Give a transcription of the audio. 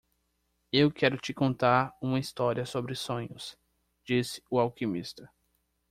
"Eu quero te contar uma história sobre sonhos?", disse o alquimista.